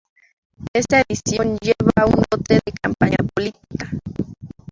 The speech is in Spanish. Esta edición lleva un lote de campaña política.